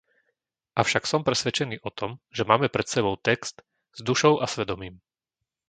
Avšak som presvedčený o tom, že máme pred sebou text s dušou a svedomím.